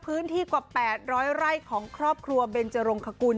พื้นที่กว่า๘๐๐ไร่ของครอบครัวเบนจรงคกุล